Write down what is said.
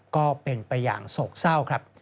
ก็เป็นไปอย่างโศกเศร้าครับ